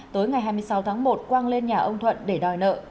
tối ngày hai mươi sáu tháng một quang lên nhà ông thuận để đòi nợ